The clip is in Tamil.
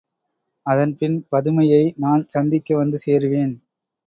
அதன்பின் பதுமையை நான் சந்திக்க வந்து சேருவேன்.